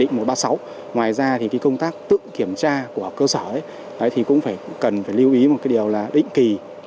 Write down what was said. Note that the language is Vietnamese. ngoài ra công tác tự kiểm tra của cơ sở cũng cần lưu ý một điều là định kỳ